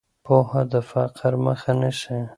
پوهه د فقر مخه نیسي.